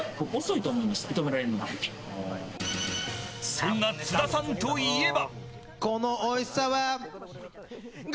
そんな津田さんといえば。